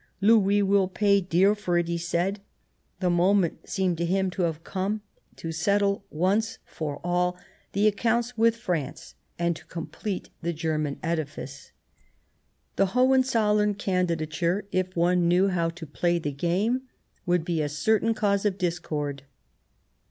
" Louis will pay dear for it," he said. The moment seemed to him 120 The War of 1870 to have come to settle once for aU the accounts with France, and to complete the German edifice. The Hohenzollern candidature, if one knew how to play the game, would be a certain cause of discord.